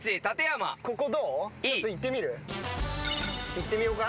行ってみようか。